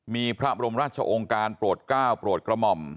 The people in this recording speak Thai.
มีพระบรมราชองค์การโปรดก้าวโปรดกระหม่อม